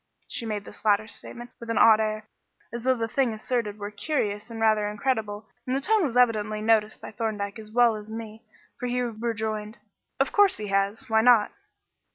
She made this latter statement with an odd air, as though the thing asserted were curious and rather incredible, and the tone was evidently noticed by Thorndyke as well as me for he rejoined "Of course he has. Why not?"